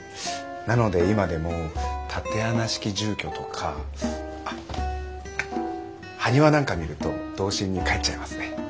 なので今でも竪穴式住居とかあ埴輪なんか見ると童心に返っちゃいますね。